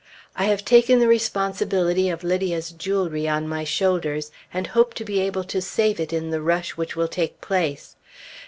I have taken the responsibility of Lydia's jewelry on my shoulders, and hope to be able to save it in the rush which will take place.